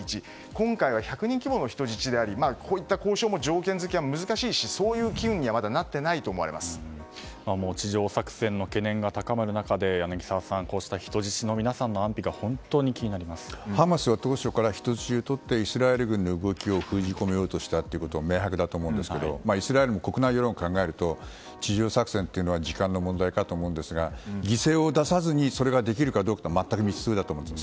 今回は１００人規模の人質でありこういった交渉も条件付きは難しいし、そういう機運には地上作戦の懸念が高まる中で柳澤さんこうした人質の皆さんの安否がハマスは当初から人質をとって、イスラエル軍の動きを封じ込めようとしたことは明白だと思うんですがイスラエルも国内世論を考えると地上作戦というのは時間の問題かと思うんですが犠牲を出さずにそれができるかどうかは全く未知数だと思います。